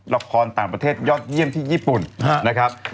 ละครต่างประเทศยอดเยี่ยมที่ญี่ปุ่นนะครับ